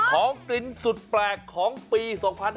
ของกินสุดแปลกของปี๒๕๕๙